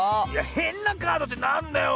へんなカードってなんだよ。